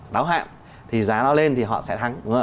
đáo hạn thì giá nó lên thì họ sẽ thắng